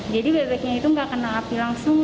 jadi bebeknya itu tidak kena api langsung